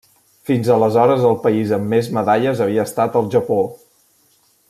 Fins aleshores el país amb més medalles havia estat el Japó.